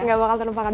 gak bakal terlupakan